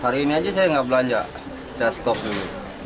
hari ini aja saya nggak belanja saya stop dulu